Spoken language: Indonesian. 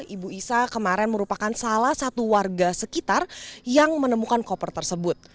ibu isa kemarin merupakan salah satu warga sekitar yang menemukan koper tersebut